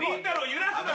揺らすな。